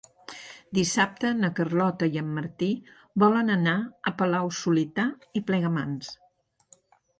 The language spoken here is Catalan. Dissabte na Carlota i en Martí volen anar a Palau-solità i Plegamans.